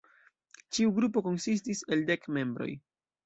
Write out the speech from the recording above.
Ĉiu grupo konsistis el dek membroj.